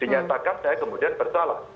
dinyatakan saya kemudian bersalah